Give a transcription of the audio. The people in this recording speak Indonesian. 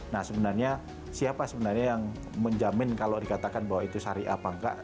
nah sebenarnya siapa sebenarnya yang menjamin kalau dikatakan bahwa itu syariah apa enggak